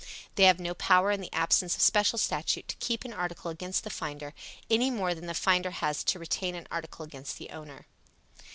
They have no power in the absence of special statute to keep an article against the finder, any more than the finder has to retain an article against the owner.